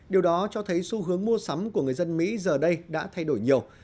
điều đó cho thấy xu hướng mua sắm của người dân mỹ giờ đây đã thay đổi nhiều